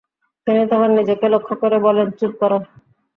তিনি তখন নিজেকে লক্ষ্য করে বলেনঃ চুপ কর!